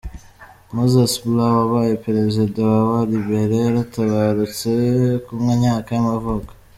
Moses Blah wabaye perezida wa wa Liberia yaratabarutse, ku myaka y’amavuko.